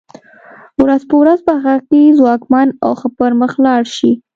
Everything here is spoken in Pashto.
ورځ په ورځ په هغه کې ځواکمن او ښه پرمخ لاړ شي.